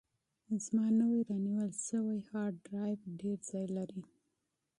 زما نوی رانیول شوی هارډ ډرایو ډېر ځای لري.